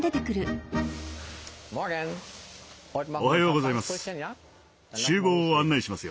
おはようございます。